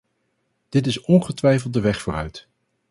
Dit is ongetwijfeld de weg vooruit.